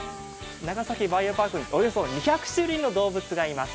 長崎バイオパーク、およそ２００種類の動物がいます。